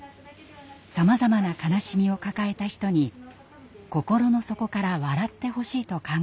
さまざまな悲しみを抱えた人に心の底から笑ってほしいと考えたのです。